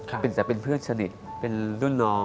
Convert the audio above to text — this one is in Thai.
บ๊วยบ๊วยแต่เป็นเพื่อนชนิดเป็นรุ่นน้อง